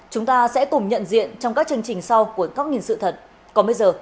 chúng ta sẽ cùng nhận diện trong các chương trình sau